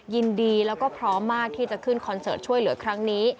ยินดีแล้วก็พร้อมมากที่จะขึ้นคอนเสิร์ตช่วยเหลือครั้งนี้